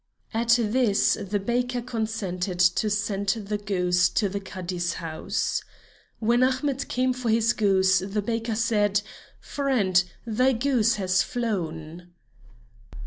At this the baker consented to send the goose to the Cadi's house. When Ahmet came for his goose the baker said: "Friend, thy goose has flown."